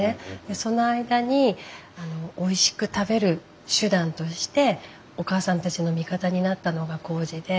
その間においしく食べる手段としておかあさんたちの味方になったのがこうじで。